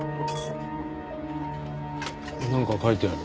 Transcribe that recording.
なんか書いてある。